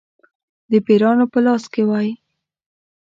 د پیرانو په لاس کې وای.